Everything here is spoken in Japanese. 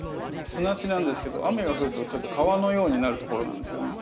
砂地なんですけど雨が降るとちょっと川のようになるところなんですよね。